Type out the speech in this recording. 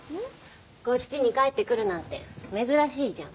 こっちに帰ってくるなんて珍しいじゃん。